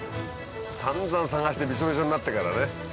散々探してビショビショになってからね。